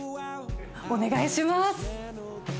お願いします。